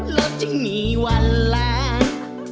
ลดยังมีวันล้าง